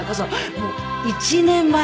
もう１年前に。